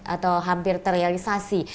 atau hampir terrealisasi